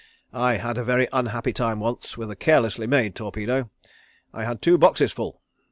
I had a very unhappy time once with a carelessly made torpedo. I had two boxes full.